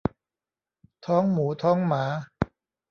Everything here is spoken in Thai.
ท้องหมูท้องหมา